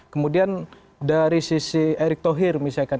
kemudian dari sisi erick thohir misalkan